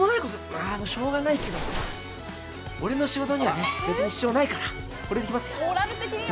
まあもうしょうがないけどさ俺の仕事にはね別に支障ないからこれで行きますよ！